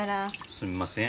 すみません。